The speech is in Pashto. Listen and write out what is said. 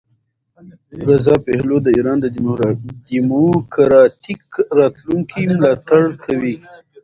رضا پهلوي د ایران د دیموکراتیک راتلونکي ملاتړ کوي.